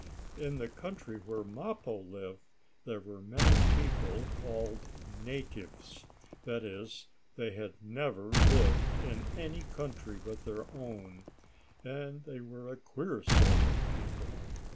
In the country where Mappo lived there were many people called natives that is they had never lived in any country but their own, and they were a queer sort of people.